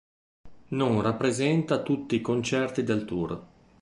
Non rappresenta tutti i concerti del tour.